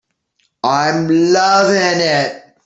I'm loving it.